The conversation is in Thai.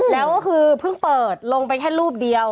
แล้วก็คือเพิ่งเปิดลงไปแค่รูปเดียว